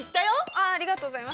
ありがとうございます。